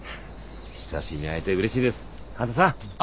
久しぶりに会えてうれしいです半田さん。